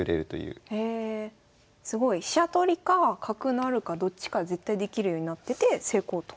すごい飛車取りか角成るかどっちか絶対できるようになってて成功と。